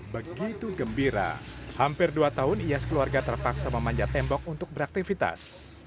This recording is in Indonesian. begitu gembira hampir dua tahun ia sekeluarga terpaksa memanjat tembok untuk beraktivitas